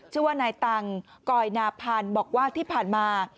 ชื่อว่านายตังกอยนาพันธ์บอกว่าที่ผ่านมา